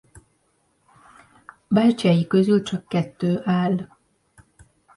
Bástyái közül csak kettő áll.